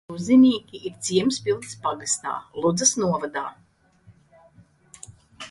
Liuzinīki ir ciems Pildas pagastā, Ludzas novadā.